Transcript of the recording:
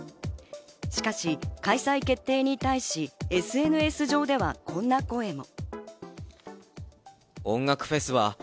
しかし開催決定に対し、ＳＮＳ上ではこんな声も。